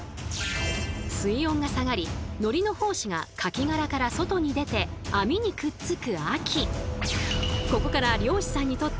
水温が下がり海苔の胞子が牡蠣殻から外に出て網にくっつく秋。